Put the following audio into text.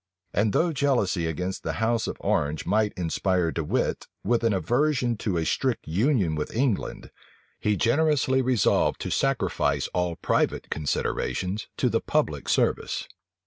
And though jealousy against the house of Orange might inspire De Wit with an aversion to a strict union with England, he generously resolved to sacrifice all private considerations to the public service.